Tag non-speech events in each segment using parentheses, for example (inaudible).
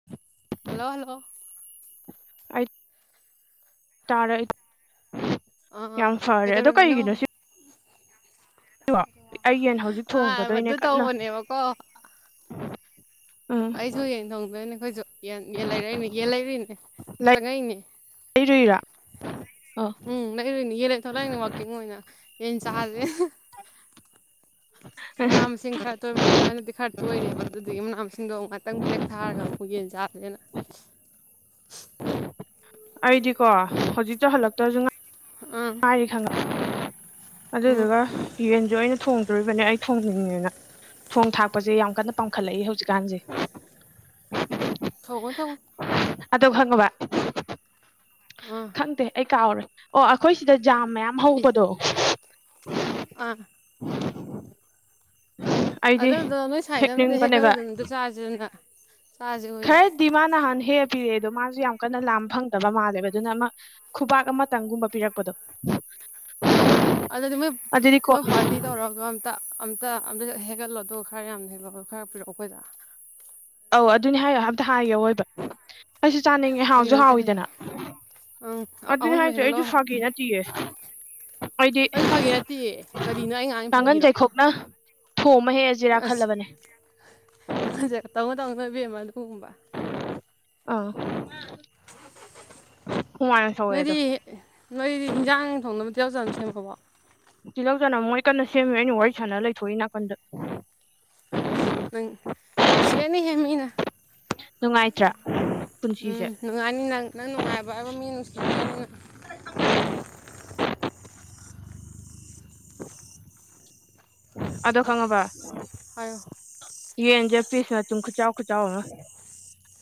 (inaudible) Hello hello ꯑꯩ ꯇꯥꯔꯛ ꯑꯥ ꯑꯥ ꯌꯥꯝ ꯐꯔꯦ ꯑꯗꯣ ꯀꯩꯗꯧꯔꯝꯃꯤꯅꯣ ꯀꯩꯒꯤꯅꯣ ꯁꯤ ꯑꯩ ꯌꯦꯟ ꯍꯧꯖꯤꯛ ꯊꯣꯡꯒꯗꯣꯏꯅꯦ ꯑꯕꯗꯨ ꯀꯟꯅ ꯇꯧꯕꯅꯦꯕꯀꯣ ꯎꯝ ꯑꯩꯁꯨ ꯌꯦꯟ ꯊꯣꯡꯉꯗꯣꯏꯅꯦ ꯑꯩꯈꯣꯏꯁꯨꯟ ꯌꯦꯟ ꯂꯩꯔꯛꯏꯅꯦ ꯌꯦꯟ ꯂꯩꯔꯨꯏꯅꯦ ꯆꯪꯉꯛꯏꯅꯦ ꯂꯩꯔꯨꯏꯔꯥ ꯑ ꯎꯝ ꯂꯩꯔꯣꯏꯅꯦ ꯌꯦꯂ ꯊꯂꯛꯏꯅꯦ ꯋꯥꯛꯀꯤꯡ ꯑꯣꯏꯅ ꯌꯦꯟ ꯆꯥꯥꯁꯦ (unintelligible) ꯃꯅꯥ ꯃꯁꯤꯡ ꯈꯔ ꯈꯔꯅꯗꯤ ꯈꯔ ꯇꯣꯏꯔꯦꯕ ꯑꯗꯨꯒꯤ ꯃꯅꯥ ꯃꯁꯤꯡꯗꯣ ꯑꯃꯨꯛ ꯉꯥꯛꯇꯪ ꯕ꯭ꯔꯦꯛ ꯊꯥꯔꯒ ꯑꯃꯨꯛ ꯌꯦꯟ ꯆꯥꯗ꯭ꯔꯦꯅ ꯑꯩꯗꯤꯀꯣ ꯍꯧꯖꯤꯛꯇꯣ ꯍꯜꯂꯛꯇ꯭ꯔꯁꯨ ꯑꯥ ꯉꯥꯏꯔꯤ ꯈ ꯎꯝ ꯑꯗꯨꯗꯨꯒ ꯌꯦꯟꯁꯨ ꯑꯩꯅ ꯊꯣꯡꯗꯣꯔꯤꯕꯅꯦ ꯑꯩ ꯊꯣꯡꯅꯤꯡꯉꯦꯅ ꯊꯣꯡ ꯊꯥꯛꯄꯁꯦ ꯌꯥꯝ ꯀꯟꯅ ꯄꯥꯡꯈꯠꯂꯛꯏ ꯍꯧꯖꯤꯛꯀꯥꯟꯁꯦ ꯊꯧꯒꯅ ꯊꯧꯕ ꯑꯗꯣ ꯍꯉ ꯋꯥ ꯑꯥ ꯈꯪꯗꯦ ꯑꯩ ꯀꯥꯎꯔꯦ ꯑꯣ ꯑꯩꯈꯣꯏ ꯁꯤꯗ ꯖꯥꯝ ꯃꯌꯥꯝ ꯏꯁ ꯍꯧꯕꯗꯣ (inaudible) ꯑꯥ ꯑꯗꯨꯗꯣ ꯅꯣꯏ ꯁꯥꯏꯗ ꯑꯝꯇ ꯍꯦꯛ ꯍꯦꯛꯅꯤꯡꯕꯅꯦꯕ ꯈꯔꯨꯗꯅ ꯑꯝꯇ ꯆꯥꯥꯁꯔꯅ ꯆꯥꯁꯦ ꯑꯩꯈꯣꯏꯔꯁꯨ ꯗꯤ ꯃꯥ ꯅꯍꯥꯟ ꯍꯦꯛ ꯄꯤꯔꯛꯑꯦꯗꯣ ꯃꯥꯁꯨ ꯌꯥꯝ ꯀꯟꯅ ꯂꯥ ꯐꯪꯗꯕ ꯃꯥꯜꯂꯦꯕ ꯑꯗꯨꯅ ꯑꯃ ꯈꯨꯕꯥꯛ ꯑꯃꯇꯪꯒꯨꯝꯕ ꯄꯤꯔꯛꯄꯗꯣ ꯑꯣ ꯑꯗꯨꯗ ꯑꯗꯨ ꯃꯣꯏ ꯑꯗꯨꯗꯤꯀꯣ ꯃꯣꯏ ꯄꯥꯔꯇꯤ ꯇꯧꯔꯒ ꯑꯝꯇ ꯑꯝꯇ ꯑꯝꯇ ꯍꯦꯛꯒꯠꯂꯗꯣ ꯈꯔ ꯌꯥꯝꯅ ꯍꯒ ꯈꯔ ꯄꯤꯔꯛꯑꯣ ꯑꯩꯈꯣꯏꯗ ꯑꯧ ꯑꯗꯨꯅꯦ ꯍꯥꯏꯌꯣ ꯍꯥꯏꯐꯇ ꯍꯥꯏꯒꯦꯣ ꯑꯣꯏꯕ ꯑꯩꯁꯨ ꯆꯥꯅꯤꯡꯉꯦ ꯐꯥꯒꯤ ꯍꯥꯎꯁꯨ ꯅꯠꯇꯦ ꯍꯥꯏꯌꯣ ꯍꯥꯎꯋꯤꯗꯅ ꯑꯪ ꯑꯗꯨꯅꯤ ꯑꯃꯨꯟꯕ ꯍꯥꯏꯁꯨ ꯑꯩꯁꯨ ꯍꯦꯛꯒꯠꯂꯛꯑꯣ ꯍꯥꯏꯕ ꯐꯥꯈꯤ ꯅꯠꯇ ꯇꯤꯌꯦ ꯍꯥꯏꯗꯤ ꯑꯩꯁꯨ ꯐꯥꯒꯤ ꯅꯠꯇꯤꯌꯦ ꯀꯔꯤꯅꯣ ꯑꯩ ꯉꯥꯡꯉꯤ ꯇꯥꯡꯒꯟ ꯐꯥꯒꯤꯔꯣ ꯆꯩꯈꯣꯛꯅ ꯊꯨ ꯑꯃ ꯍꯦꯛꯑ ꯑꯁꯤ ꯔꯥꯈꯠꯂꯕꯅꯦ ꯑꯈꯟꯁꯦ ꯇꯧꯅ ꯇꯧꯅꯅꯣꯏꯕꯤꯦꯝꯃ ꯑꯗꯨꯒꯒꯨꯝꯕ ꯑꯥ ꯍꯨꯃꯥꯡ ꯁꯧꯋꯦ ꯑꯗꯣ ꯅꯣꯏꯗꯤ ꯅꯣꯏꯗꯤ ꯍꯤꯟꯖꯥꯡ ꯊꯣꯡ ꯑꯃꯗꯤ ꯌꯥꯎꯖꯕ ꯁꯦꯝꯃꯛꯛꯄꯀꯣ ꯇꯤꯜꯍꯧ ꯆꯅ ꯃꯣꯏ ꯀꯟꯅ ꯁꯦꯝꯃꯤ ꯑꯩꯅ ꯋꯥꯔꯤ ꯁꯥꯟꯅ ꯂꯩꯊꯣꯛꯏ ꯅꯥꯀꯟꯗ ꯅꯪ ꯅꯨꯡꯁꯤꯔꯅꯤꯍꯦ ꯃꯩꯅ ꯅꯨꯡꯉꯥꯏꯇ꯭ꯔꯥ ꯎꯝ ꯄꯨꯟꯁꯤꯁꯦ ꯅꯨꯡꯉꯥꯏꯅꯤ ꯅꯪ ꯅꯪ ꯅꯨꯡꯉꯥꯏꯕ ꯍꯥꯏꯕ‌ꯣ ꯃꯤꯅ ꯅꯨꯡꯁꯤꯕꯤꯔꯅꯤ ꯅ‌ꯪ ꯑꯗꯣ ꯈꯪꯉꯕ ꯍꯥꯏꯌꯣ ꯌꯦꯟꯖ‌ꯦ ꯄꯤꯁ ꯃꯇꯨꯝ ꯈꯨꯆꯥꯎ ꯈꯨꯆꯥꯎ ꯑꯃ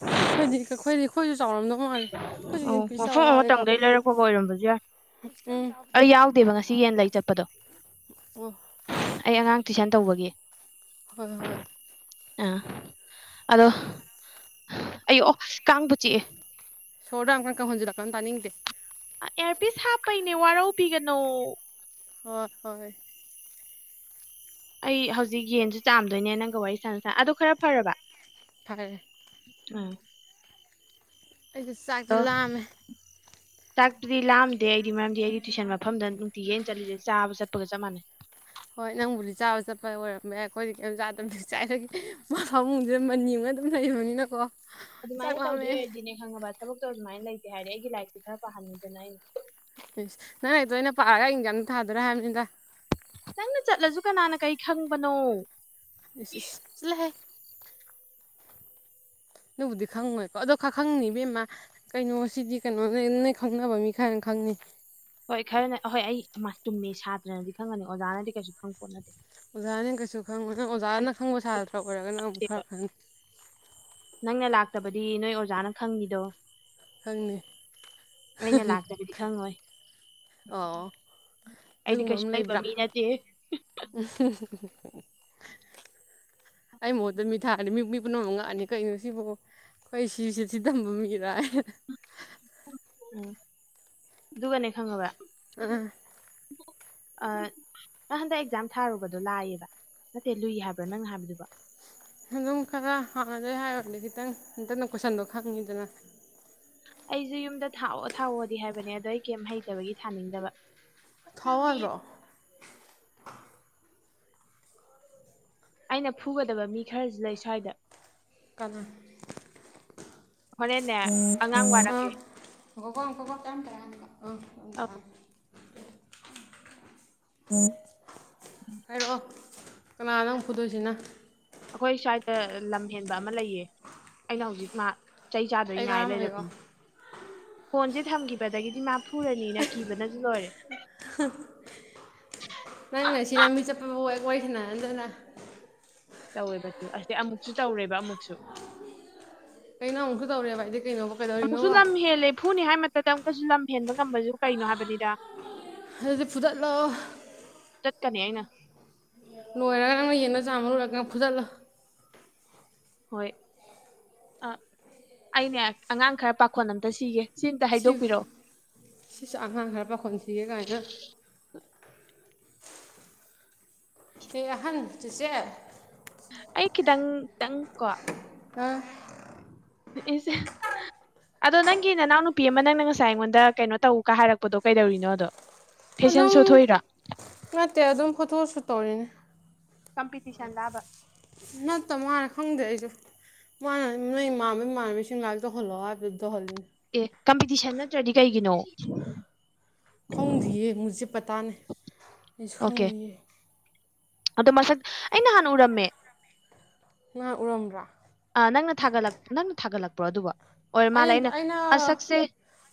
ꯑꯩꯈꯣꯏꯗꯤ ꯑꯩꯈꯣꯏ ꯑꯩꯈꯣꯏꯁꯨ ꯆꯥꯎꯔꯝꯗꯧ ꯃꯥꯜꯂꯦ ꯑꯩꯈꯣꯏꯁꯨ ꯑꯧ ꯌ‌ꯦꯟ ꯄꯤꯁ ꯆꯥꯎꯕ ꯃꯐꯝ ꯃꯥꯜꯂꯦꯀꯣ ꯑꯃꯇꯪꯗꯩ ꯂꯩꯔꯛꯄꯒ ꯑꯣꯏꯔꯝꯕꯁꯨ ꯌꯥꯏ ꯎꯝ ꯑꯩ ꯌꯥꯎꯗꯦꯕ ꯉꯁꯤ ꯌꯦꯟ ꯂꯩ ꯆꯠꯄꯗꯣ ꯑꯣ ꯑꯩ ꯑꯉꯥꯡ ꯇꯨꯏꯁꯟ ꯇꯧꯕꯒꯤ ꯍꯣꯏ ꯍꯣꯏ ꯑ ꯑꯗꯣ ꯑꯩꯌ‌ꯣ ꯀꯥꯡꯕꯨ ꯆꯤꯛꯑꯦ ꯁ‌ꯣꯔꯗ‌ꯣ ꯌꯥꯝ ꯀꯟ ꯀꯟ ꯍ‌ꯣꯖꯟꯂꯛ ꯀꯅ‌ꯣ ꯇꯥꯅꯤꯡꯗꯦ ꯏꯌꯥꯔꯄꯤꯁ ꯍꯥꯞꯄꯩꯅꯦ ꯋꯥꯔꯧꯕꯤꯒꯅꯣ ꯍꯣꯏ ꯍꯣꯏ ꯑꯩ ꯍꯧꯖꯤꯛ ꯌꯦꯟꯁꯨ ꯆꯥꯝꯗꯣꯏꯅꯦ ꯅꯪꯒ ꯋꯥꯔꯤ ꯁꯅ ꯁꯥꯥꯟ ꯑꯗꯣ ꯈꯔ ꯐꯔꯕ ꯐꯔ‌ꯦ (unintelligible) ꯑꯩꯁꯦ ꯆꯥꯛꯁꯦ ꯂꯥꯝꯃꯦ ꯆꯥꯛꯇꯨꯗꯤ ꯂꯥꯝꯗꯦ ꯑꯩꯗꯤ ꯃꯔꯝꯗꯤ ꯑꯩꯗꯤ ꯇꯨꯏꯁꯟ ꯃꯐꯝꯗ ꯅꯨꯡꯇꯤꯒꯤ ꯑꯩꯅ ꯆꯠꯂꯤꯖ‌ꯦ ꯆꯥꯕ ꯆꯠꯄꯒ ꯆꯞ ꯃꯥꯟꯅꯩ ꯍꯣꯏ ꯅꯪꯕꯨꯗꯤ ꯆꯥꯕ ꯆꯠꯄ ꯑꯣꯏꯔꯝꯕ ꯌꯥꯏ ꯑꯩꯈꯣꯏꯗꯤ ꯀꯩꯌꯝ ꯆꯥꯗꯕꯩ ꯉꯁꯥꯏꯗꯩ ꯐꯃꯨꯡꯖꯤꯗ ꯃꯟ ꯌꯨꯡꯉ ꯑꯗꯨꯝ ꯂꯩꯕꯅꯤꯅꯀꯣ ꯆꯥꯛ ꯑꯗꯨꯃꯥꯏꯅ ꯂꯥꯝꯃꯦ ꯇꯧꯗꯣꯏ ꯑꯣꯏꯔꯗꯤꯅꯦ ꯈꯪꯉꯕ ꯊꯕꯛꯇꯣ ꯑꯗꯨꯃꯥꯏ ꯂꯩꯇꯦ ꯍꯥꯏꯔꯗꯤ ꯑꯩꯒꯤ ꯂꯥꯏꯔꯤꯛ ꯁ‌ꯦ ꯈꯔ ꯄꯥꯍꯟꯅꯤꯗꯅ ꯑꯩꯅ ꯏꯁ ꯅꯪ ꯂꯥꯏꯔꯤꯛ ꯇ‌ꯣ ꯑꯩꯅ ꯄꯥꯔꯒ ꯑꯩ ꯑ‌ꯦꯛꯖꯥꯝ ꯊꯥꯗ‌ꯣꯏꯔꯥ ꯍꯥꯏꯕꯅꯤꯗ ꯅꯪꯅ ꯆꯠꯂꯆꯨ ꯀꯅꯥꯅ ꯀꯩ ꯈꯪꯕꯅꯣ ꯏꯁ ꯏꯁ ꯆꯠꯂꯍꯦ ꯅꯕꯨꯗꯤ ꯈꯪꯉꯣꯏꯀꯣ ꯑꯗꯣ ꯈ ꯈꯪꯅꯤ ꯏꯕꯦꯝꯃ ꯀꯩꯅꯣꯁꯤꯗꯤ ꯀꯩꯅꯣ ꯅ (unintelligible) ꯈꯪꯅꯕ ꯃꯤ ꯈꯪ ꯈ‌ꯪꯅꯤ ꯍꯣꯏ ꯈꯔꯅ ꯍꯣꯏ ꯑꯩ ꯏꯃꯥ ꯆꯨꯝꯃꯦ ꯁꯥꯇ꯭ꯔꯅꯗꯤ ꯈꯪꯉꯅꯤ ꯑꯣꯖꯥꯅꯗꯤ ꯀꯩꯁꯨ ꯈꯪ ꯄꯣꯠꯅꯇ‌ꯦ ꯑꯣꯖꯥꯅ‌ ꯗꯤ ꯀꯩꯁꯨ ꯈꯪꯉ‌ꯣꯏ ꯅꯪ ꯑꯣꯖꯥꯅ ꯈꯪꯕ ꯁꯥꯇ꯭ꯔꯥ ꯑꯣꯏꯔꯒꯅ ꯑꯃꯨꯛ ꯈꯔ ꯈꯪꯅꯤ ꯅꯪꯅ ꯂꯥꯛꯇꯕꯗꯤ ꯅꯣꯏ ꯑꯣꯖꯥꯅ ꯈꯪꯅꯤꯗꯣ ꯈꯪꯅꯤ ꯑꯩꯅ ꯂꯥꯛꯇꯕꯗꯤ ꯈꯪꯉꯣꯏ ꯑꯣ ꯑꯩꯗꯤ ꯑꯗꯨꯒꯨꯝꯕ ꯀꯩꯁꯨ ꯑꯃ ꯂꯩꯕ ꯂꯩꯕ꯭ꯔꯥ ꯃꯤ ꯅꯠꯇꯦ (unintelligible) (inaudible) ꯑꯩ ꯃꯍꯨꯠꯇ ꯃꯤ ꯊꯔꯗꯤ ꯃꯤ ꯃꯤ ꯄꯨꯝꯅꯃꯛ ꯉꯛꯑꯅꯤ ꯀꯩꯅꯣ ꯁꯤꯕ‌ꯣ ꯑꯩꯁꯤ ꯁꯦꯁꯤ ꯇꯝꯕ ꯃꯤꯔꯥ ꯎꯝ ꯑꯗꯨꯒꯅꯦ ꯈꯪꯉꯕ ꯑꯥ ꯑ ꯅꯪ ꯍꯟꯗꯛ ꯑꯦꯛꯖꯥꯝ ꯊꯔꯨꯕꯗꯣ ꯂꯏꯌ‌ꯦꯕ ꯅꯠꯇꯦ ꯂꯨꯏ ꯍꯥꯏꯕ꯭ꯔ ꯅꯪ ꯍꯥꯏꯕꯗꯨꯕꯣ ꯑꯗꯨꯝ ꯈꯔ ꯍꯥꯟꯅꯗꯩ ꯍꯥꯏꯔꯨꯔꯗꯤ ꯈꯤꯇꯪ ꯍꯟꯇꯛꯅ ꯀꯣꯏꯁꯟꯗꯣ ꯈꯪꯉꯤꯗꯅ ꯑꯩꯖꯨ ꯌꯨꯝꯗ ꯊꯥꯎꯑꯣ ꯊꯥꯎꯑꯣꯗꯤ ꯍꯥꯏꯕꯅꯦ ꯑꯗꯣ ꯑꯩ ꯀꯩꯌꯝ ꯍꯩꯇꯕꯒꯤ ꯊꯅꯤꯡꯗꯕ ꯊꯥꯎ ꯌꯥꯗꯔꯣ ꯑꯩꯅ ꯐꯨꯒꯗꯕ ꯃꯤ ꯈꯔꯖꯨ ꯂꯩ ꯁ꯭ꯋꯥꯏꯗ ꯀꯅꯥ ꯍꯣꯔꯦꯟꯅꯦ ꯑꯉꯥꯡ ꯑꯩ ꯋꯥꯔꯛꯀꯦ ꯉꯏꯈꯣꯀꯣ ꯉꯏꯈꯣꯀꯣ ꯆꯥꯝ ꯇꯔꯥꯅ‌ꯦ ꯑ ꯍꯥꯏꯔꯛꯑꯣ ꯀꯅꯥꯅꯣ ꯅꯪ ꯐꯨꯗꯣꯏꯁꯤꯅ ꯑꯩꯈꯣꯏ ꯁ꯭ꯋꯥꯏꯗ ꯂꯝ ꯍꯦꯟꯕ ꯑꯃ ꯂꯩꯌꯦ ꯑꯩꯅ ꯍꯧꯖꯤꯛ ꯃꯥ ꯆꯩ ꯆꯗꯣꯏ ꯑꯩ ꯉꯥꯏꯔ ꯀꯔꯝꯕꯩꯔꯣ ꯂꯩꯔꯕꯅꯦ ꯐꯣꯟꯁꯦ ꯊꯝꯈꯤꯕꯗꯒꯤꯗꯤ ꯃꯥ ꯐꯨꯔꯅꯤꯅ ꯀꯤꯕꯅꯖꯨ ꯂꯣꯏꯔꯦ (unintelligible) ꯅꯪꯅ ꯁꯤ ꯂꯝꯕꯤ ꯆꯠꯄ ꯐꯥꯎ ꯍꯦꯛ ꯋꯔꯤ ꯁꯅꯍꯟꯗꯅ ꯇꯧꯋꯦꯕ ꯇꯨ ꯑꯥꯁꯤ ꯑꯃꯨꯛꯁꯨ ꯇꯧꯔꯦꯕ ꯑꯃꯨꯛꯁꯨ ꯀꯩꯅꯣ ꯑꯃꯨꯛꯁꯨ ꯇꯧꯔꯦꯕꯗꯤ ꯀꯩꯅꯣ ꯑꯃꯨꯛꯁꯨ ꯂꯝ ꯍꯦꯜꯂꯦ ꯐꯨꯅꯤ ꯍꯥꯏꯔꯤꯃꯛꯇꯗꯥ ꯑꯃꯨꯛꯀꯁꯨ ꯂꯝ ꯍꯦꯟꯕ ꯉꯝꯕꯁꯤꯕꯨ ꯀꯩꯅꯣ ꯍꯥꯏꯕꯅꯤꯗ ꯑꯗꯨꯗꯤ ꯐꯨꯗꯠꯂꯣ ꯆꯠꯀꯅꯤ ꯑꯩꯅ ꯂꯣꯏꯔꯒ ꯑꯃ ꯌꯦꯟꯗꯣ ꯆꯥꯝꯕ ꯂꯣꯏꯔꯀꯥꯟ ꯐꯨꯗꯠꯂꯣ ꯍꯣꯏ ꯑꯩꯅꯦ ꯑꯉꯥꯡ ꯈꯔ ꯄꯈꯣꯟ ꯑꯝꯇ ꯁꯤꯒꯦ ꯑꯝꯇ ꯁꯤ ꯍꯥꯏꯗꯣꯛꯄꯤꯔꯛꯑꯣ ꯁꯤꯁꯨ ꯑꯉꯥꯡ ꯈꯔ ꯄꯥꯈꯣꯟꯁꯤꯒꯦ ꯀꯥꯏꯅ ꯑꯦ ꯑꯍꯟ ꯆꯦꯆꯦ ꯑꯩ ꯈꯤꯇꯪ ꯇꯪ ꯀꯣ (inaudible) ꯏꯁ ꯏꯁ ꯑꯗꯣ ꯅꯪꯒꯤ ꯅꯅꯥꯎ ꯅꯨꯄꯤ ꯑꯃ ꯅꯪꯅ ꯉꯁꯥꯏ ꯑꯩꯉꯣꯟꯗ ꯀꯩꯅꯣ ꯇꯧ ꯀ ꯍꯥꯏꯔꯛꯄꯗꯣ ꯀꯩꯗꯧꯔꯤꯅꯣ ꯑꯗꯣ ꯐꯦꯁꯟ ꯁꯣ ꯑꯗꯨꯝ ꯊꯣꯛꯏꯔꯣ ꯅꯠꯇꯦ ꯑꯗꯨꯝ ꯐꯣꯇꯣꯁꯨꯠ ꯇꯧꯔꯤꯅꯤ ꯀꯝꯄꯤꯇꯤꯁꯟ ꯂꯕ ꯅꯠꯇ ꯃꯅꯦ ꯈꯪꯗꯦ ꯑꯩꯁꯨ ꯃꯅ ꯅꯣꯏ ꯏꯃꯥꯟꯅꯕ ꯏꯃꯥꯟꯅꯕꯤ ꯁꯤꯡ (unintelligible) ꯇꯧꯍꯨꯟꯂꯛꯑꯣ ꯍꯥꯏꯕꯗꯨꯗ ꯇꯧꯍꯜꯂꯤꯅꯤ꯫ ꯑꯦ ꯀꯝꯄꯤꯇꯤꯁꯟ ꯅꯠꯇ꯭ꯔꯗꯤ ꯀꯩꯒꯤꯅꯣ ꯈꯪꯗꯤꯌꯦ ꯃꯨꯖꯦ ꯄꯇꯥꯅꯍꯤ ꯑꯩꯁꯨ ꯑꯣꯀꯦ ꯈꯪꯗꯤꯌꯦ ꯑꯗꯣ ꯃꯁꯛ ꯑꯩꯅ ꯍꯥꯟꯅ ꯎꯔꯝꯃꯦ (unintelligible) ꯎꯔꯝꯕ꯭ꯔꯣ ꯑꯥ ꯅꯪꯅ ꯊꯒꯠꯂꯛ ꯅꯪꯅ ꯊꯒꯠꯂꯛꯄ꯭ꯔꯣ ꯑꯗꯨꯕꯣ ꯑꯣꯏꯔꯃꯥꯜꯂꯦ ꯑꯩꯅ ꯃꯁꯛꯁꯦ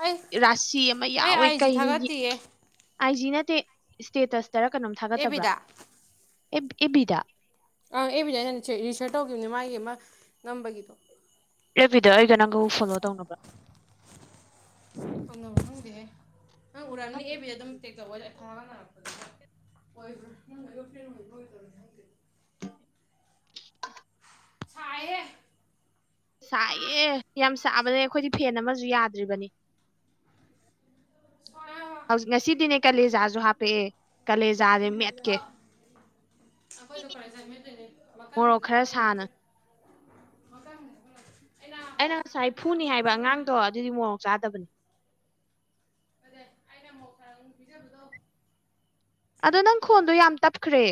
ꯑꯩ ꯔꯁꯤ ꯑꯃ ꯑꯩ ꯌꯥꯎꯋꯦ ꯑꯥꯏ ꯖꯤ ꯀꯩꯅꯣ ꯊꯥꯒꯠꯇꯤꯌꯦ ꯑꯥꯏ ꯖꯤ ꯅꯠꯇꯦ ꯏꯁꯇꯦꯇꯁꯇꯔ ꯀꯩꯅꯣꯝ ꯊꯒꯠꯇꯕ꯭ꯔꯥ ꯑꯦꯕꯤꯗ ꯑꯦꯞ ꯕꯤꯗ ꯑꯪ ꯑꯦꯞꯕꯤꯗ ꯑꯩꯅ ꯔꯤꯁꯦꯌꯔ ꯇꯧꯈꯤꯕꯅꯦ ꯃꯥꯒꯤ ꯑꯃ ꯅꯝꯕꯒꯤꯗꯣ ꯑꯦꯞ ꯕꯤꯗ ꯅꯪꯒ ꯑꯩꯒꯕꯨ ꯐꯣꯂꯣ ꯇꯧꯅꯕ ꯈꯪꯗꯦꯍꯦ ꯅꯪ ꯎꯔꯝꯅꯤ ꯑꯦꯞ ꯕꯤ ꯑꯗꯨꯝ ꯇꯦꯛ ꯇꯧꯕ ꯊꯥꯒꯅ ꯑꯣꯏꯕ꯭ꯔꯥ ꯅꯪꯒ ꯑꯩꯒ ꯐꯔꯦꯟ ꯑꯣꯏꯕ꯭ꯔꯥ ꯑꯣꯏꯗꯕ꯭ꯔꯗꯤ ꯈꯪꯗꯦ ꯁꯥꯏꯍꯦ ꯁꯥꯏꯌꯦ ꯌꯥꯝ ꯁꯕꯅꯦ ꯑꯩꯈꯣꯏꯗꯤ ꯐꯦꯟ ꯑꯃꯁꯨ ꯌꯗ꯭ꯔꯤꯕꯅꯤ ꯁꯣꯏꯔꯕ ꯍꯧꯖꯤꯛ ꯉꯁꯤꯗꯤꯅꯦ ꯀꯂꯦꯖꯁꯨ ꯍꯥꯄꯛꯑꯦ ꯀꯂꯦꯖꯁꯦ ꯃꯦꯠꯀꯦ ꯑꯥ ꯑꯩꯈꯣꯏꯁꯨ (unintelligible) ꯃꯣꯔꯣꯛ ꯃꯊꯪꯗꯗꯤ ꯈꯔ ꯁꯥꯅ ꯍꯥꯞꯐꯟꯂꯛꯇ꯭ꯔꯤ ꯃꯊꯪꯗꯗꯤ ꯍꯐꯟꯂꯛꯀꯦ ꯑꯩꯅ ꯉꯁꯥꯏ ꯐꯨꯅꯤ ꯍꯥꯏꯕ ꯑꯉꯥꯡꯗꯣ ꯑꯗꯨꯗꯤ ꯃꯣꯔꯣꯛ ꯆꯗꯕꯅꯤ (unintelligible) ꯑꯩꯅ ꯃꯣꯔꯣꯛ ꯈꯔꯥ ꯑꯗꯨꯝ ꯄꯤꯖꯕꯗꯣ ꯑꯗꯣ ꯅꯪ ꯈꯣꯟꯗꯣ ꯌꯥꯝ ꯇꯞꯈ꯭ꯔꯦ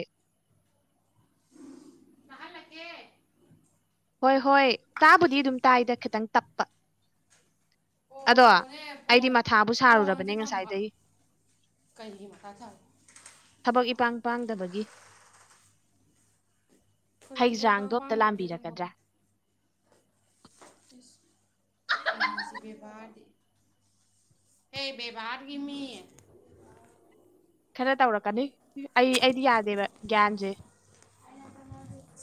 ꯇꯥꯍꯜꯂꯛꯀꯦ ꯍꯣꯏ ꯍꯣꯏ ꯇꯥꯕꯨꯗꯤ ꯑꯗꯨꯝ ꯇꯥꯏꯗ ꯈꯤꯇꯪ ꯇꯞꯄ ꯑꯗꯣ ꯑꯣꯅꯦ ꯑꯩꯗꯤ ꯐꯣꯟ ꯃꯊꯥꯕꯨ ꯁꯥꯔꯨꯔꯕꯅꯦ ꯐꯣꯟꯁꯦ ꯊꯝꯕ ꯉꯁꯥꯏꯗꯒꯤ ꯀꯩꯒꯤ ꯃꯊꯥ ꯁꯥꯏꯕ ꯊꯕꯛ ꯏꯄꯥꯡ ꯄꯥꯡꯗꯕꯒꯤ ꯑꯩꯈꯣꯏ ꯊꯕꯛ ꯄꯥꯡ ꯍꯩꯖꯥꯡꯗꯣ ꯑꯝꯇ ꯄꯥꯡꯗ꯭ꯔꯒꯦ ꯂꯥꯕꯤꯔꯛꯀꯗ꯭ꯔꯥ ꯏꯁ ꯋꯥꯔꯤꯁꯦ ꯕꯦꯚꯥꯔꯗꯤ ꯍꯦ ꯕꯦꯕꯥꯔꯒꯤꯃꯤ ꯈꯔ ꯇꯧꯔꯛꯀꯅꯤ ꯑꯩ ꯑꯩꯗꯤ ꯌꯥꯗꯦꯕ ꯒ꯭ꯌꯥꯟꯁꯦ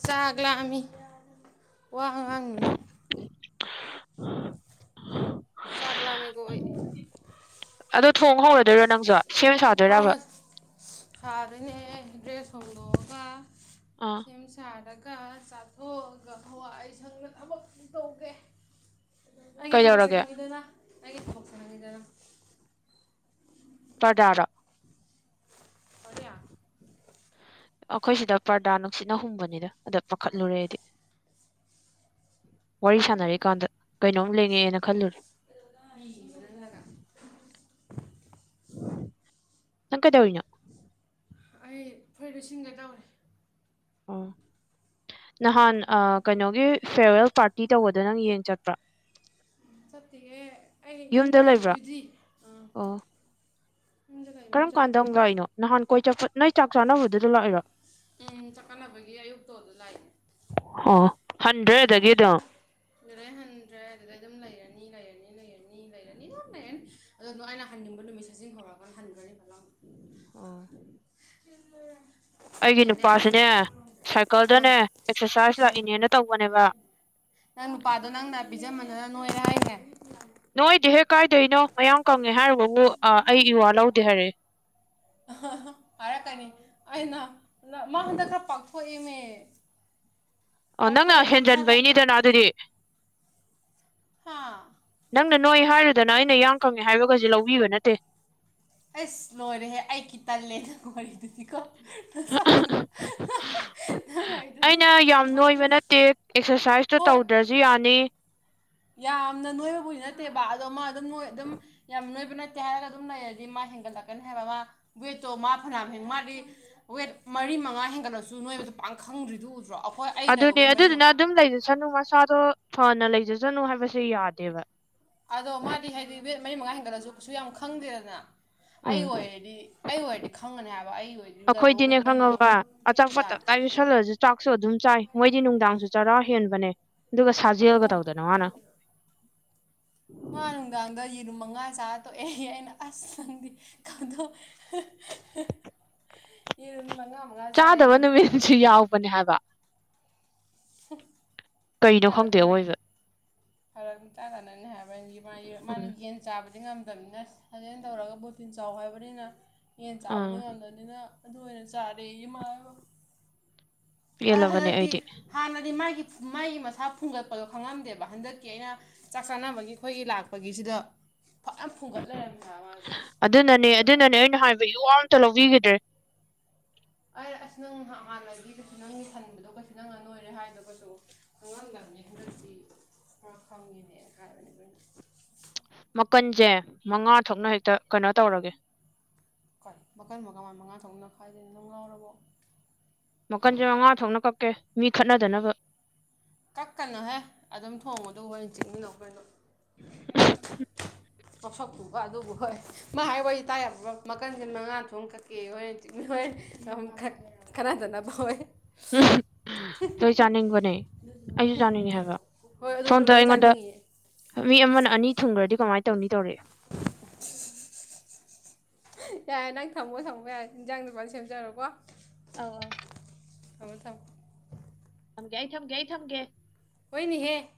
ꯆꯥꯛ ꯂꯥꯝꯃꯤ ꯋꯥ ꯉꯥꯡꯅꯨꯅꯪ ꯆꯥꯛ ꯂꯥꯝꯃꯤꯀꯣ ꯑꯩ ꯑꯗꯣ ꯊꯣꯡ ꯍꯧꯔꯗꯣꯏꯔꯣ ꯅꯪꯁꯨ ꯁꯦꯝ ꯁꯥꯗꯣꯏꯔꯥꯕ ꯍꯧꯔꯣ ꯁꯥꯗꯣꯏꯅꯦ ꯗ꯭ꯔꯦꯁ ꯍꯣꯡꯗꯣꯛꯑꯒ ꯑꯥ ꯁꯦꯝ ꯁꯥꯔꯒ ꯆꯥꯊꯣꯛꯑꯒ ꯍꯋꯥꯏ ꯁꯪꯅ ꯊꯕꯛ ꯇꯧꯒꯦ ꯑꯩꯒꯤ ꯊꯕꯛꯁꯦ ꯀꯩꯗꯧꯔꯒꯦ ꯈꯪꯈꯤꯗꯅ ꯑꯩꯒꯤ ꯊꯕꯛꯁꯦ ꯈꯪꯉꯤꯗꯅ ꯄꯔꯗꯥꯗꯣ ꯀꯔꯤ ꯑꯩꯈꯣꯏ ꯁꯤꯗ ꯄꯔꯗꯥ ꯅꯨꯡꯁꯤꯠ ꯍꯨꯝꯕꯅꯤꯗ ꯑꯗ ꯄꯥꯈꯠꯂꯨꯔꯦ ꯑꯩꯗꯤ ꯋꯥꯔꯤ ꯁꯥꯟꯅꯔꯤꯀꯥꯟꯗ ꯀꯩꯅꯣꯝ ꯂꯦꯡꯉꯛꯑꯦꯅ ꯈꯜꯂꯨꯔꯦ (inaudible) ꯅꯪ ꯀꯩꯗꯧꯔꯤꯅꯣ ꯑꯩ ꯐꯨꯔꯤꯠ ꯂꯤꯠꯁꯤꯟꯒꯦ ꯇꯧꯔꯤ ꯑꯣ ꯅꯍꯥꯟ ꯑ ꯀꯩꯅꯣꯒꯤ ꯐꯦꯔꯋꯦꯜ ꯄꯥꯔꯇꯤ ꯇꯧꯕꯗ ꯅꯪ ꯌꯦꯡ ꯆꯠꯄ꯭ꯔꯥ ꯆꯠꯇꯦꯍꯦ ꯑꯩ ꯌꯨꯝꯗ ꯂꯩꯗꯨꯗꯤ ꯑꯥ ꯑꯣ ꯌꯨꯝꯗ ꯂꯩꯕꯅꯤꯅ ꯀꯔꯝ ꯀꯥꯟꯗ ꯆꯠꯇꯦ ꯑꯃꯨꯛ ꯂꯥꯛꯏꯅꯣ ꯅꯍꯥꯟ ꯀꯣꯏ ꯆꯠꯄ ꯅꯣꯏ ꯆꯥꯛ ꯆꯥꯅꯕꯗꯨꯗ ꯂꯥꯛꯏꯔꯣ ꯎꯝ ꯆꯥꯛ ꯆꯥꯟꯅꯕꯒꯤ ꯑꯌꯨꯛꯇꯣ ꯑꯗꯨꯗ ꯂꯥꯛꯏꯕ ꯑꯣ ꯍꯟꯗ꯭ꯔꯦ ꯑꯗꯒꯤ ꯑꯗꯨꯝ ꯑꯗꯨꯗꯩ ꯍꯟꯗ꯭ꯔꯦ ꯑꯗꯨꯗꯩ ꯑꯗꯨꯝ ꯂꯩꯔꯅꯤ ꯂꯩꯔꯅꯤ ꯂꯩꯔꯅꯤ ꯂꯩꯔꯅꯤ ꯑꯗꯨꯝ ꯂꯩꯔꯅꯤ ꯑꯗꯣ ꯑꯗꯨ ꯑꯩꯅ ꯍꯟꯅꯤꯡꯕ ꯅꯨꯃꯤꯠ ꯁꯖꯤꯟ ꯍꯧꯔꯒ (inaudible) ꯑꯣ ꯎꯝ ꯑꯩꯒꯤ ꯅꯨꯄꯥꯁꯨꯅꯦ ꯑꯥ ꯁꯥꯏꯀꯜꯗꯅꯦ ꯑꯦꯛꯁꯔꯁꯥꯏꯁ ꯑꯥ ꯂꯥꯛꯏꯅꯦꯅ ꯇꯧꯕꯅꯦꯕ ꯅꯪ ꯅꯨꯄꯥꯗꯣ ꯅꯪꯅ ꯄꯤꯖꯃꯗꯅ ꯅꯣꯏꯔꯦ ꯍꯥꯏꯅꯦ ꯅꯣꯏꯗꯦꯍꯦ ꯀꯥꯏꯗꯩꯅꯣ ꯃꯌꯥꯡ ꯀꯪꯉꯦ ꯍꯥꯏꯔꯨꯕꯕꯨ ꯑꯩ ꯏꯋꯥ ꯂꯧꯗꯦ ꯍꯥꯏꯔꯛꯑꯦ ꯍꯥꯏꯔꯛꯀꯅꯤ ꯑꯩꯅ ꯃꯥ ꯍꯟꯗꯛ ꯈꯔ ꯄꯥꯛꯊꯣꯛꯏꯃꯦ ꯑꯣ ꯅꯪꯅ ꯍꯦꯟꯖꯟꯕꯩꯅꯤꯗꯅ ꯑꯗꯨꯗꯤ ꯍꯥꯥ ꯅꯪꯅ ꯅꯣꯏ ꯍꯥꯏꯔꯨꯗꯅ ꯑꯩꯅ ꯌꯥꯡ ꯀꯪꯉꯦ ꯍꯥꯏꯕꯒꯁꯦ ꯂꯧꯕꯤꯕ ꯅꯠꯇꯦ ꯑꯩꯁ ꯂꯣꯏꯔꯦꯍꯦ ꯑꯩꯒꯤ ꯇꯜꯂꯦ ꯅꯪ ꯋꯥꯔꯤꯗꯨꯗꯤꯀꯣ ꯁꯛꯊꯨ ꯍꯥꯍꯥ ꯑꯩꯅ ꯌꯥꯝ ꯅꯣꯏꯕ ꯅꯠꯇꯦ ꯑꯦꯛꯁꯔꯁꯥꯏꯁꯇꯣ ꯍꯣꯏ ꯇꯧꯗ꯭ꯔꯁꯨ ꯌꯥꯅꯤ ꯌꯥꯝꯅ ꯅꯣꯏꯕꯕꯨꯗꯤ ꯅꯠꯇꯦꯕ ꯑꯗꯣ ꯃꯥ ꯑꯗꯨꯝ ꯅꯣꯏ ꯑꯗꯨꯝ ꯌꯥꯝ ꯅꯣꯏꯕ ꯅꯠꯇꯦ ꯍꯥꯏꯔꯒ ꯑꯗꯨꯝ ꯂꯩꯔꯗꯤ ꯃꯥ ꯍꯦꯟꯒꯠꯂꯛꯀꯅꯤ ꯍꯥꯏꯕ ꯃꯥ ꯋꯦꯠꯇꯣ ꯃꯥ ꯐꯅꯌꯥꯝ ꯍꯦꯟ ꯃꯥꯗꯤ ꯋꯦꯠ ꯃꯔꯤ ꯃꯉꯥ ꯍꯦꯟꯒꯠꯂꯁꯨ ꯅꯣꯏꯕꯗꯣ ꯄꯥꯡꯈꯪꯗ꯭ꯔꯤꯗꯨ ꯎꯗ꯭ꯔꯣ ꯑꯩꯈꯣꯏ ꯑꯩꯅꯒ ꯑꯗꯨꯅꯦ ꯋꯦꯠ ꯃꯔꯤ ꯑꯗꯨꯗꯨꯅ ꯃꯉꯥ ꯑꯗꯨꯝ ꯂꯩꯖꯁꯅꯨ ꯃꯁꯥꯗꯣ ꯐꯅ ꯂꯩꯖꯁꯅꯨ ꯍꯥꯏꯕꯁꯦ ꯌꯥꯗꯦꯕ ꯑꯗꯣ ꯃꯥꯗꯤ ꯍꯥꯏꯗꯤ ꯋꯦꯠ ꯃꯔꯤ ꯃꯉꯥ ꯍꯦꯟꯒꯠꯂꯁꯨ ꯀꯩꯁꯨ ꯌꯥꯝ ꯈꯪꯗꯦꯗꯅ ꯑꯩ ꯎꯝ ꯑꯣꯏꯔꯗꯤ ꯑꯩ ꯑꯣꯏꯔꯗꯤ ꯈꯪꯒꯅꯤ ꯍꯥꯏꯕ ꯑꯩ ꯑꯣꯏꯔꯗꯤ ꯑꯩꯈꯣꯏꯗꯤꯅꯦ ꯋꯦꯠ ꯃꯣꯔꯤ ꯃꯉꯥ ꯑꯆꯥꯄꯣꯠ ꯌꯥꯗꯦ ꯇꯞꯇꯥꯏ ꯀꯊꯜꯂꯁꯨ ꯆꯥꯛꯁꯨ ꯑꯗꯨꯝ ꯆꯥꯏ ꯃꯣꯏꯗꯤ ꯅꯨꯡꯗꯥꯡꯁꯨ ꯆꯔꯥ ꯍꯦꯟꯕꯅꯦ ꯑꯗꯨꯒ ꯁꯥꯖꯦꯜꯒ ꯑꯣ ꯇꯧꯗꯅ ꯃꯥꯅ ꯃꯥ ꯅꯨꯡꯗꯥꯡꯗ ꯌꯦꯔꯨꯝ ꯃꯉꯥ ꯆꯥꯔ ꯇꯣꯛꯑꯦ ꯑꯩꯅ ꯑꯁꯅꯡꯗꯤ ꯈꯪꯗꯣꯛ (unintelligible) ꯆꯥꯗꯕ ꯅꯨꯃꯤꯠꯁꯨ ꯌꯥꯎꯕꯅꯦ ꯍꯥꯏꯕ ꯍꯝ ꯀꯩꯅꯣ ꯈꯪꯗꯦ ꯑꯣꯏꯕ ꯐꯔꯛ ꯃꯤꯇꯥ ꯀꯥꯟꯅꯅꯤ ꯍꯥꯏꯕ ꯃꯥ ꯎꯝ ꯃꯥꯅ ꯌꯦꯟ ꯆꯥꯕꯗꯤ ꯉꯝꯗꯕꯅꯤꯅ ꯁꯥꯖꯦꯟ ꯇꯧꯔꯒ ꯕꯣꯇꯤꯟ ꯆꯥꯎ ꯍꯥꯏꯕꯅꯤꯅ ꯌꯦꯟ ꯑꯥ ꯆꯥꯕꯗꯤ ꯉꯝꯗꯕꯅꯤꯅ ꯑꯗꯨ ꯑꯣꯏꯅ ꯆꯥꯔꯦ ꯏꯃꯥꯕ ꯄꯦꯜꯂꯕꯅꯦ ꯑꯩꯗꯤ ꯍꯥꯟꯅꯗꯤ ꯃꯥꯒꯤ ꯃꯥꯥꯏꯒꯤ ꯃꯁꯥ ꯐꯨꯡꯒꯠꯄꯗꯣ ꯈꯪꯉꯝꯗꯦꯕ ꯍꯟꯗꯛꯀꯤ ꯑꯩꯅ ꯆꯥꯛ ꯆꯥꯅꯕꯒꯤ ꯑꯩꯈꯣꯏꯒꯤ ꯂꯥꯛꯄꯒꯤꯁꯤꯗ ꯐꯖꯥꯝ ꯐꯨꯝꯒꯠ ꯂꯩꯔꯝꯃꯤ ꯃꯥ ꯃꯥꯗꯣ ꯐꯒꯠꯂꯒ ꯌꯨꯑ꯭ꯔ ꯑꯃꯇ ꯂꯧꯕꯤꯈꯤꯗ꯭ꯔꯦ ꯑꯩ ꯑꯁ ꯅꯪ ꯍꯥꯟꯅꯗꯤ ꯀꯩꯁꯨ ꯅꯪ ꯊꯟꯕꯗꯣ ꯀꯩꯁꯨ ꯅꯪ ꯑ ꯅꯣꯏꯔꯦ ꯍꯥꯏꯗꯒꯁꯨ ꯈꯪꯉꯝꯗꯕꯅꯤ ꯍꯟꯗꯛꯇꯤ ꯈꯔ ꯐꯪꯉꯤꯅꯦꯅ ꯍꯥꯏꯕꯅꯦ ꯑꯩꯈꯣꯏꯅ ꯃꯀꯟꯁꯦ ꯃꯉꯥ ꯊꯣꯛꯅ ꯍꯦꯛꯇ ꯀꯩꯅꯣ ꯇꯧꯔꯒꯦ ꯍꯣꯏ ꯃꯈꯜ ꯃꯈꯉꯥ ꯃꯥꯏ ꯃꯉꯥ ꯊꯣꯛꯅ ꯈꯥꯏꯗꯣꯏꯅꯤ ꯑꯗꯨꯝ ꯉꯥꯎꯔꯕꯣ ꯃꯈꯟꯁꯦ ꯃꯉꯥ ꯊꯣꯛꯅ ꯀꯛꯀꯦ ꯃꯤ ꯈꯠꯅꯗꯅꯕ ꯀꯛꯀꯅꯨꯍꯦ ꯑꯗꯨꯝ ꯊꯣꯡꯕꯗꯣ ꯍꯣꯏꯦꯟ ꯆꯤꯃꯤ ꯂꯧ ꯀꯩꯅꯣ (inaudible) ꯄꯣꯠꯁꯛꯀꯨꯝꯕ ꯑꯗꯨꯕꯨ ꯍꯣꯏ ꯃꯥ ꯋꯥ ꯇꯥꯏ ꯃꯈꯟꯁꯤ ꯃꯉꯥ ꯊꯣꯛ ꯀꯛꯀꯦ ꯍꯣꯏ (unintelligible) ꯀꯅꯥꯗꯅꯕ ꯑꯣꯏ ꯎꯝ ꯑꯩ ꯆꯥꯅꯤꯡꯕꯅꯦ ꯑꯩꯁꯨ ꯆꯥꯅꯤꯡꯉꯦ ꯍꯥꯏꯕ ꯍꯣꯏ ꯑꯗꯨꯗꯣ ꯁꯣꯝꯗ ꯂꯣꯏ ꯑꯩꯉꯣꯟꯗ ꯆꯥꯅꯤꯡꯉꯤꯌꯦ ꯃꯤ ꯑꯃꯅ ꯑꯅꯤ ꯊꯨꯡꯈ꯭ꯔꯗꯤ ꯀꯃꯥꯏ ꯇꯧꯅꯤ ꯇꯧꯔꯛꯦ (inaudible) ꯌꯥꯏꯔꯦ ꯅꯪ ꯊꯝꯃꯣ ꯊꯝꯃꯣ ꯌꯥꯏ ꯏꯟꯖꯥꯡ ꯗꯨꯄꯥꯜ ꯁꯦꯝꯖꯔꯣꯀꯣ ꯑ ꯑ (unintelligible) ꯊꯝꯒꯦ ꯑꯩ ꯊꯝꯒꯦ ꯑꯩ ꯊꯝꯒꯦ ꯍꯣꯏꯅꯤꯍꯦ